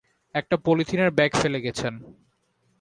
একটা পলিথিনের ব্যাগ ফেলে গেছেন।